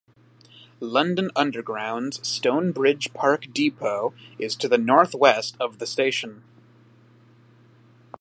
London Underground's Stonebridge Park Depot is to the north-west of the station.